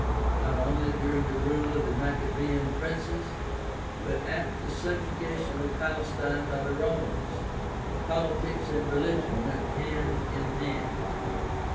Not only during the rule of the Maccabean princes, but after the sub jugation of Palestine by the Romans, politics and religion went hand in hand.